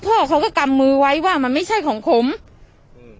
พ่อเขาก็กำมือไว้ว่ามันไม่ใช่ของผมอืม